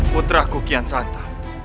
putraku kian santa